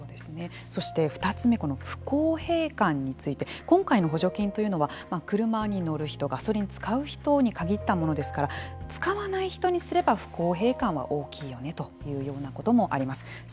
そして２つ目不公平感について今回の補助金というのは車に乗る人ガソリンを使う人に限ったものですから使わない人にすれば不公平感は大きいよねというようなこともあります。